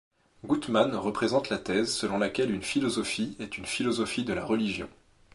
Guttmann représente la thèse selon laquelle une philosophie est une philosophie de la religion.